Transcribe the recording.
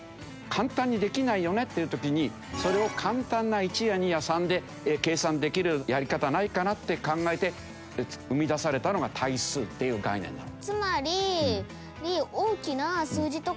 簡単にできないよねっていう時にそれを簡単な１や２や３で計算できるやり方ないかなって考えて生み出されたのが対数っていう概念なの。